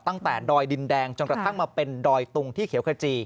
ดอยดินแดงจนกระทั่งมาเป็นดอยตุงที่เขียวขจี